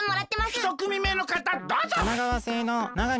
１くみめのかたどうぞ！